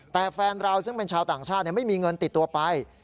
แต่แฟนเราซึ่งเป็นชาวต่างชาติไม่มีเงินติดตัวไป